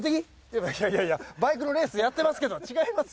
いやいやバイクのレースやってますけど違いますよ。